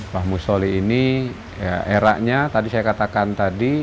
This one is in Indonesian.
bahmusyolih ini eranya tadi saya katakan tadi